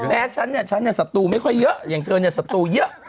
แม้ฉันน่ะชั้นศาตูไม่ค่อยเยอะอย่างเธอน่ะศาตูเยอะ